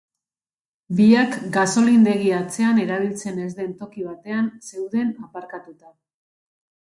Biak, gasolindegi atzean erabiltzen ez den toki batean zeuden aparkatuta.